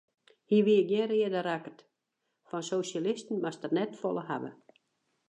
Hy wie gjin reade rakkert, fan sosjalisten moast er net folle hawwe.